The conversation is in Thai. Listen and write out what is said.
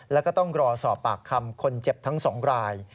แล้วก็ต้องรอสอบปากคำคนเจ็บทั้ง๒ราย